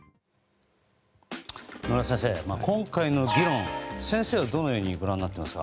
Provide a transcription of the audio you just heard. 野村先生、今回の議論先生はどのようにご覧になっていますか？